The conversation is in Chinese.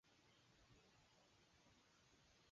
马尔默市是瑞典南部斯科讷省的一个自治市。